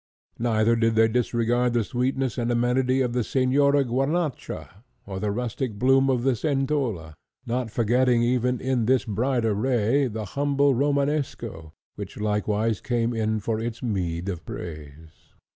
Neither did they disregard the sweetness and amenity of the Señora Guarnacha, or the rustic bloom of the Centola, not forgetting even in this bright array the humble Romanesco, which likewise came in for its meed of praise.